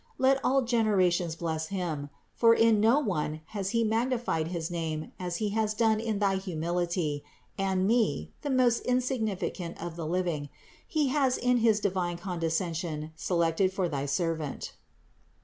Let all generations bless Him : for in no one has He magnified THE INCARNATION 335 his name as He has done in thy humility; and me, the most insignificant of the living, He has in his divine con descension selected for thy servant."